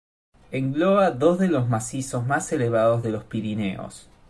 Engloba dos de los macizos más elevados de los Pirineos.